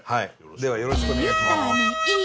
ではよろしくお願いします。